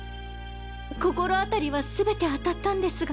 心当たりは全て当たったんですが。